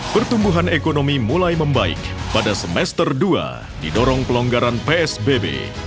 pertumbuhan ekonomi mulai membaik pada semester dua didorong pelonggaran psbb